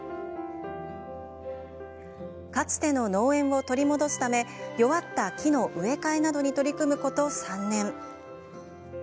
かつての農園を取り戻すため弱った木の植え替えなどに取り組むこと３年。